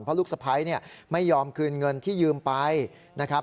เพราะลูกสะพ้ายเนี่ยไม่ยอมคืนเงินที่ยืมไปนะครับ